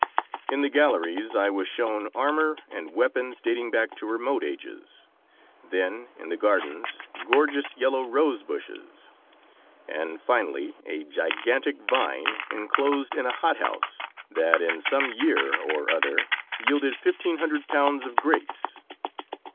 In the galleries I was shown armour and weapons dating back to remote ages; then, in the gardens, gorgeous yellow rose bushes, and finally a gigantic vine, enclosed in a hothouse, that in some year or other yielded 1,500 pounds of grapes.